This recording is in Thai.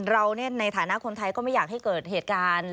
เราในฐานะคนไทยก็ไม่อยากให้เกิดเหตุการณ์